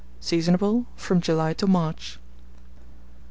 Seasonable from July to March.